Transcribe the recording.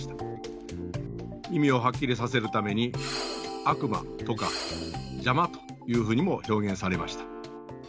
意味をはっきりさせるために「悪魔」とか「邪魔」というふうにも表現されました。